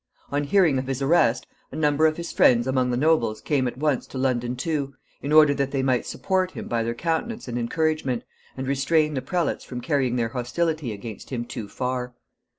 On hearing of his arrest, a number of his friends among the nobles came at once to London too, in order that they might support him by their countenance and encouragement, and restrain the prelates from carrying their hostility against him too far.